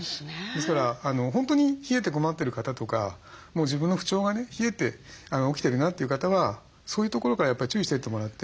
ですから本当に冷えて困ってる方とか自分の不調がね冷えて起きてるなという方はそういうところからやっぱり注意していってもらって。